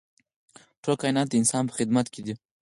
ټول کاینات د انسان په خدمت کې دي.